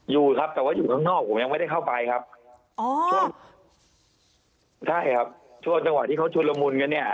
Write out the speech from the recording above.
อยู่ครับแต่ว่าอยู่ข้างนอกผมยังไม่ได้เข้าไปครับอ๋อช่วงใช่ครับช่วงจังหวะที่เขาชุดละมุนกันเนี่ย